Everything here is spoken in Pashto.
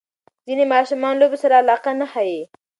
ځینې ماشومان لوبو سره علاقه نه ښیي.